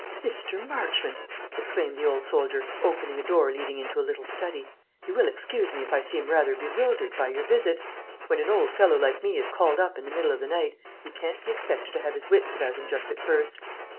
"Mr. Marchmont," exclaimed the old soldier, opening a door leading into a little study, "you will excuse me if I seem rather bewildered by your visit. When an old fellow like me is called up in the middle of the night, he can't be expected to have his wits about him just at first.